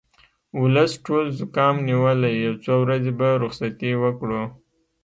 ولس ټول زوکام نیولی یو څو ورځې به رخصتي وکړو